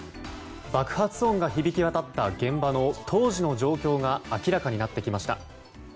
爆発音が響き渡った現場の当時の状況が明らかになってきました。